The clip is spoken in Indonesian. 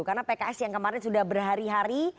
karena pks yang kemarin sudah berhari hari